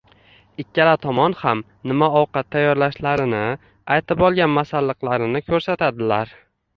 ikkala tomon ham nima ovqat tayyorlashlarini aytib olgan masalliqlarini ko’rsatadilar.